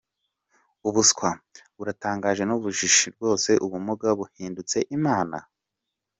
Ubuswa ! Buratangaje nubujiji rwose ubumuga buhindutse Imana.